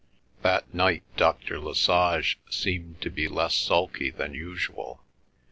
That night Dr. Lesage seemed to be less sulky than usual.